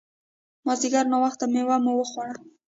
مازیګر ناوخته مېوه مو وخوړه.